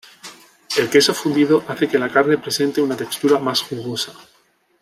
El queso fundido hace que la carne presente una textura más jugosa.